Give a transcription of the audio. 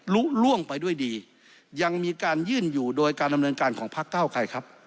ล่วงไปด้วยดียังมีการยื่นอยู่โดยการดำเนินการของพักเก้าไกรครับ